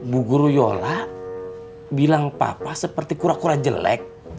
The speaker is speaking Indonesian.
bu guru yola bilang papa seperti kura kura jelek